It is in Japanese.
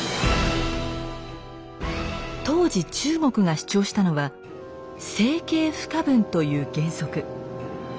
当時中国が主張したのは「政経不可分」という原則。